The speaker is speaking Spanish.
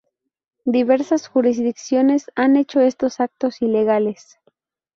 Diversas jurisdicciones han hecho estos actos ilegales.